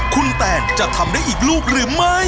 คุณแตนจะทำได้อีกลูกหรือไม่